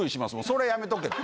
それやめとけと。